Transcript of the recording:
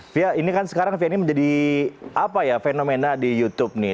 fia ini kan sekarang fia ini menjadi apa ya fenomena di youtube nih